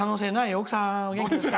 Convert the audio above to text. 奥さん、元気ですか？